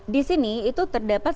disini itu terdapat